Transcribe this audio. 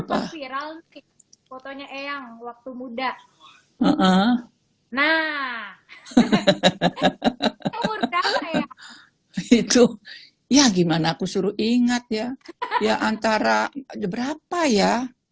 foto fotonya yang waktu muda nah itu ya gimana aku suruh ingat ya ya antara ada berapa ya